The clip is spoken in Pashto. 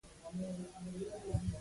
د غنمو مثال دا ټوله قضیه ښه تشریح کوي.